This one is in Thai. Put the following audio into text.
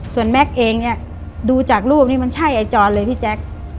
ส่วนแม็กซ์เองเนี่ยดูจากรูปนี้มันใช่ไอจรเลยพี่แจ๊ค